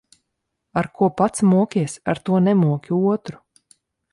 Ar ko pats mokies, ar to nemoki otru.